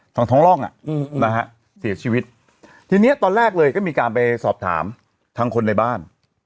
ท้องร่องอ่ะอืมนะฮะเสียชีวิตทีเนี้ยตอนแรกเลยก็มีการไปสอบถามทางคนในบ้าน